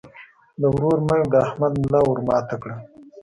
د ورور مرګ د احمد ملا ور ماته کړه.